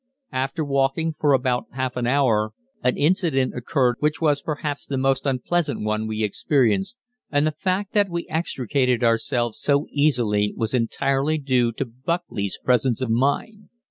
After walking for about half an hour an incident occurred which was perhaps the most unpleasant one we experienced, and the fact that we extricated ourselves so easily was entirely due to Buckley's presence of mind.